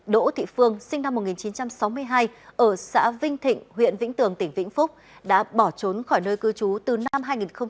đỗ thị phương sinh năm một nghìn chín trăm sáu mươi hai ở xã vinh thịnh huyện vĩnh tường tỉnh vĩnh phúc đã bỏ trốn khỏi nơi cư trú từ năm hai nghìn một mươi ba